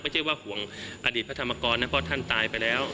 ไม่ใช่ว่าห่วงอดีตพระธรรมกรนะเพราะท่านตายไปแล้ว